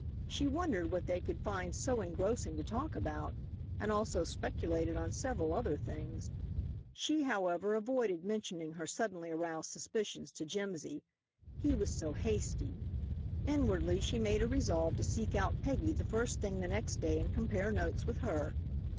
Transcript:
She wondered what they could find so engrossing to talk about, and also speculated on several other things. She, however, avoided mentioning her suddenly aroused suspicions to Jimsy. He was so hasty. Inwardly she made a resolve to seek out Peggy the first thing the next day and compare notes with her.